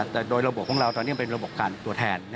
แต่โดยระบบของเราตอนนี้ยังเป็นระบบการตัวแทน